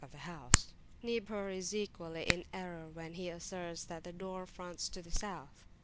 Niebuhr is equally in error when he asserts that the door fronts to the South.